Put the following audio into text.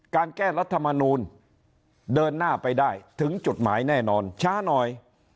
การแก้รัฐมนูลเดินหน้าไปได้ถึงจุดหมายแน่นอนช้าหน่อย